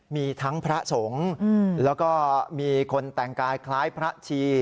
มีทั้งพระสงฆ์แล้วก็มีคนแต่งกายคล้ายพระชี